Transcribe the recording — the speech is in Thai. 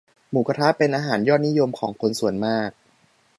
หมูกะทะเป็นอาหารยอดนิยมของคนส่วนมาก